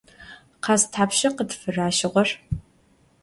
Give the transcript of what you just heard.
Khaz thapşşa khıtfıraşığer?